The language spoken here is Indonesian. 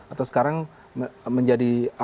atau sekarang menjadi